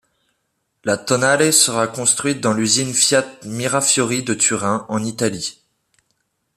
La Tonale sera construite dans l'usine Fiat-Mirafiori de Turin, en Italie.